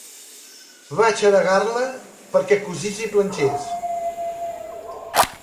Vaig aregar-la perquè cosís i planxés.